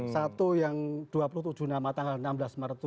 satu yang dua puluh tujuh nama tanggal enam belas maret itu